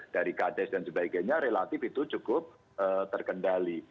dari kades dan sebagainya relatif itu cukup terkendali